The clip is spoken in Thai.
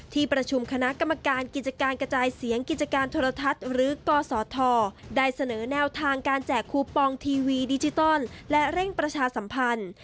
ที่ประชุมคณะกรรมการกิจการกระจายเสียงกิจการโทรทัศน์หรือกศธได้เสนอแนวทางการแจกคูปองทีวีดิจิตอลและเร่งประชาสัมพันธ์